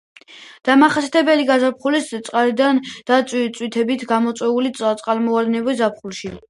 დამახასიათებელია გაზაფხულის წყალდიდობა და წვიმებით გამოწვეული წყალმოვარდნები ზაფხულში.